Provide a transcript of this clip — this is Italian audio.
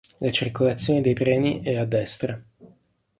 La circolazione dei treni è a destra.